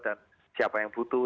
dan siapa yang butuh